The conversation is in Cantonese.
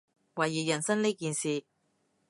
懷疑人生呢件事